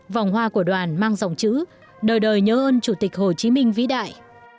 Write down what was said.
vòng hoa của đoàn mang dòng chữ đời đời nhớ ơn chủ tịch hồ chí minh vĩ đại